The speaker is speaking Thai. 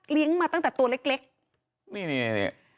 เลี้ยงมาตั้งแต่ตัวเล็กเล็กนี่นี่นี่